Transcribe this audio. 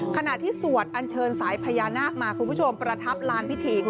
ขณะที่สวดอัญเชิญสายพญานาคมาคุณผู้ชมประทับลานพิธี